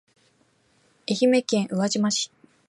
愛媛県宇和島市